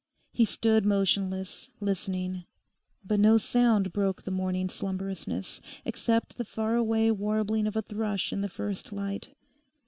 He stood motionless, listening; but no sound broke the morning slumbrousness, except the faraway warbling of a thrush in the first light.